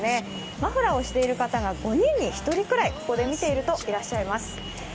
マフラーをしている方が５人に１人くらい、ここで見ているといらっしゃいます。